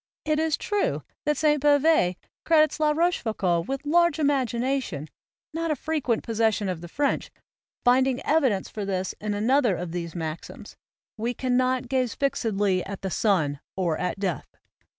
It is true that Sainte Beuve credits La Rochefoucauld with large imagination, not a frequent possession of the French, finding evidence for this in another of these maxims, "we cannot gaze fixedly at the sun, or at death."